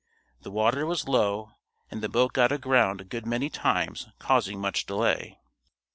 The water was low and the boat got aground a good many times causing much delay.